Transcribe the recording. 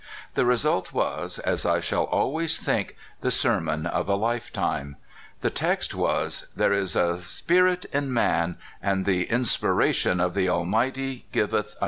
The result was, as I shall always think, the sermon of a lifetime. The text was, " There is a spirit in man : and the inspiration of the Almighty giveth